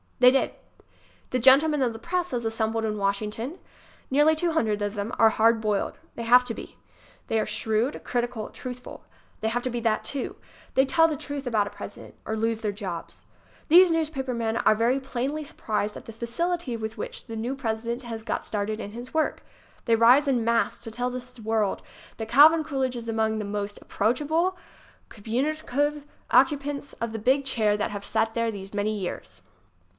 They did. The gentlemen of the press as assembled in Wash ington ŌĆö nearly two hundred of them ŌĆö are hard boiled. They have to be. They are shrewd, crit ical, truthful. They have to be that, too. They tell the truth about a President ŌĆö or lose their jobs. These newspaper men are very plainly surprised at I 14 1 |f HAVE FAITH IN COOLIDGE! ┬« the facility with which the new President has got started in his work. They rise en masse to tell the world that Calvin Coolidge is among the most ap proachable, communicative occupants of the big chair that have sat there these many years.